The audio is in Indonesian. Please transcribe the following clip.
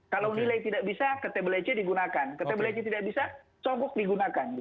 kalau nilai tidak bisa ke table ac digunakan ke table ac tidak bisa cokok digunakan